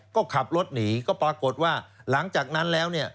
ก็ขับรถหนีก็ปรากฏว่าหลังจากนั้นแล้วเนี่ย